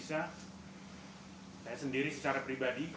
saya sendiri secara pribadi